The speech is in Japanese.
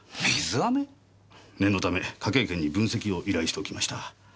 念のため科警研に分析を依頼しておきました。